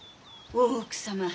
大奥様